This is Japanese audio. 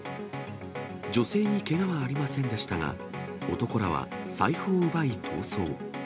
女性にけがはありませんでしたが、男らは財布を奪い逃走。